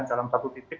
dalam satu titik